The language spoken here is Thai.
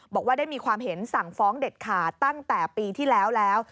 บอกว่าได้มีความเห็นสั่งฟ้องเด็ดขาดตั้งแต่ปีที่แล้วแล้ว